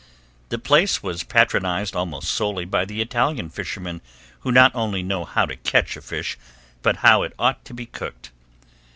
The place was patronized almost solely by the Italian fishermen who not only know how to catch a fish but how it ought to be cooked.